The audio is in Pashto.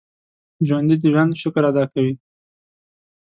ژوندي د ژوند شکر ادا کوي